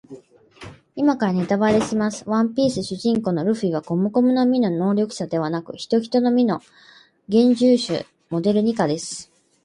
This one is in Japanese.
今からネタバレします。ワンピース主人公のルフィはゴムゴムの実の能力者ではなく、ヒトヒトの実幻獣種モデルニカです。